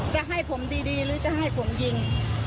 จะให้ผมดีหรือจะให้ผมยิง